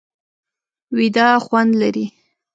ویده خوند لري